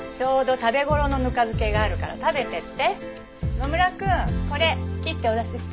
野村くんこれ切ってお出しして。